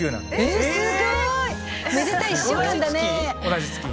同じ月。